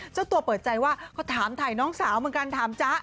เจ้าตัวเปิดใจว่าเขาถามถ่ายน้องสาวเหมือนกันถามจ๊ะ